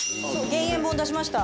減塩本出しました。